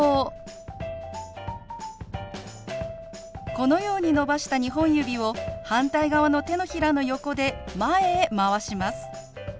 このように伸ばした２本指を反対側の手のひらの横で前へ回します。